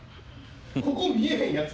ここ見えへんやつ？